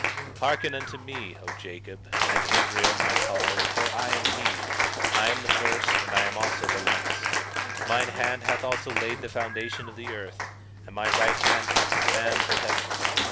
20:12 Hearken unto me, O Jacob, and Israel my called, for I am he; I am the first, and I am also the last. 20:13 Mine hand hath also laid the foundation of the earth, and my right hand hath spanned the heavens.